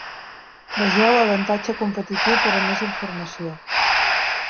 Vegeu avantatge competitiu per a més informació.